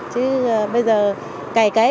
chứ bây giờ cày cấy